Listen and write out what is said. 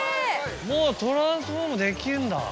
もうトランスフォームできるんだ。